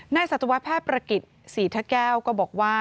สัตวแพทย์ประกิจศรีทะแก้วก็บอกว่า